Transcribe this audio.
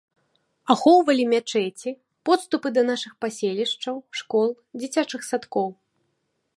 Ахоўвалі мячэці, подступы да нашых паселішчаў, школ, дзіцячых садкоў.